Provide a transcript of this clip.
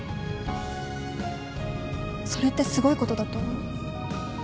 それってすごいことだと思う。